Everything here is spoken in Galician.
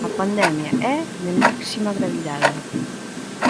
A pandemia é de máxima gravidade.